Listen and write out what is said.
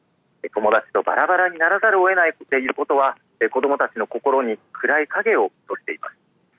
友達とばらばらにならざるをえないということは、子どもたちの心に暗い影を落としています。